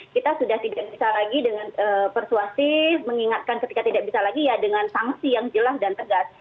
kita sudah tidak bisa lagi dengan persuasi mengingatkan ketika tidak bisa lagi ya dengan sanksi yang jelas dan tegas